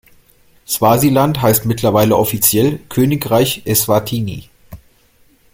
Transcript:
Swasiland heißt mittlerweile offiziell Königreich Eswatini.